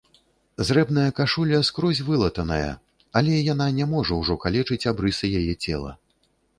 Зрэбная кашуля скрозь вылатаная, але яна не можа ўжо калечыць абрысы яе цела.